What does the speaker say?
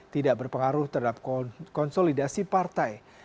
tidak berpengaruh terhadap konsolidasi partai